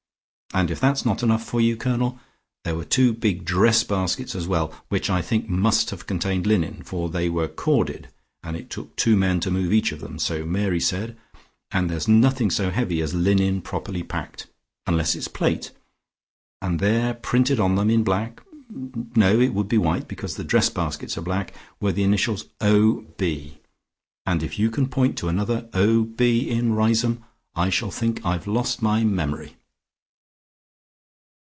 And if that's not enough for you, Colonel, there were two big dress baskets as well, which I think must have contained linen, for they were corded, and it took two men to move each of them, so Mary said, and there's nothing so heavy as linen properly packed, unless it's plate, and there printed on them in black no, it would be white, because the dress baskets are black, were two initials, O.B. And if you can point to another O.B. in Riseholme I shall think I've lost my memory."